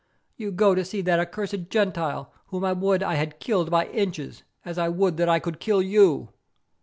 You go to see that accursed Gentile whom I would I had killed by inches, as I would that I could kill you."